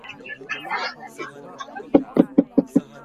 Khrihfa chan ahcun kan pale an thih hnuah kan pule sei kan pe ti hna lo.